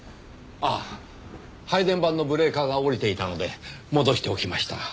ああ配電盤のブレーカーが下りていたので戻しておきました。